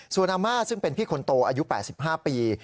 ส่วนอาม่าซึ่งเป็นพี่คนโตอายุ๘๕ปี